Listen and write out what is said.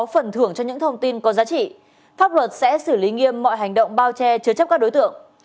pháp luật sẽ xử lý nghiêm mọi hành động bao che chứa chấp các đối tượng